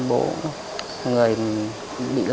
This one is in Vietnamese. bố người bị lao vào đó là